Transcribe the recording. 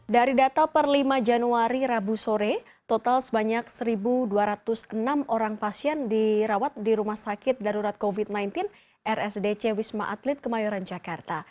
dari data per lima januari rabu sore total sebanyak satu dua ratus enam orang pasien dirawat di rumah sakit darurat covid sembilan belas rsdc wisma atlet kemayoran jakarta